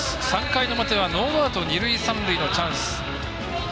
３回の表はノーアウト、二塁三塁のチャンス。